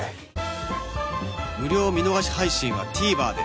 無料見逃し配信は ＴＶｅｒ で